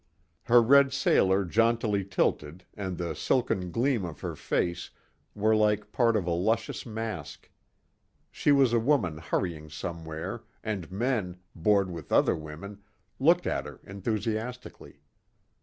Her red sailor jauntily tilted and the silken gleam of her face were like part of a luscious mask. She was a woman hurrying somewhere and men, bored with other women, looked at her enthusiastically.